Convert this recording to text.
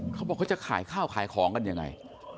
เขาบอกเขาจะขายข้าวขายของกันยังไง